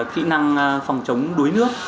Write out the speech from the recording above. kỹ năng phòng chống đuối nước